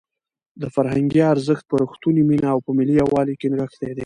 د فرهنګ ارزښت په رښتونې مینه او په ملي یووالي کې نغښتی دی.